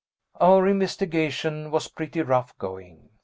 Our investigation was pretty rough going.